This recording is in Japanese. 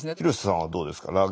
廣瀬さんはどうですか？